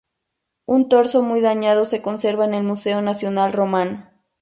Un torso muy dañado se conserva en el Museo Nacional Romano.